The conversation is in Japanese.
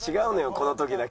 この時だけ。